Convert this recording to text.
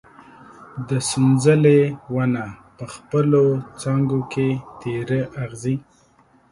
د سنځلې ونه په خپلو څانګو کې تېره اغزي